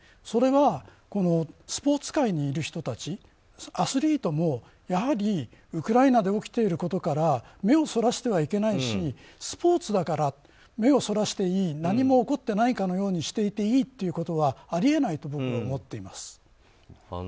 それはスポーツ界にいる人たちアスリートもやはりウクライナで起きていることから目をそらしてはいけないしスポーツだから目をそらしていい何も起こっていないかのようにしていていいというのはあり得ないと僕は思っています。